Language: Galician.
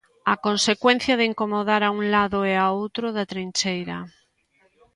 A consecuencia de incomodar a un lado e a outro da trincheira.